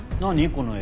この絵。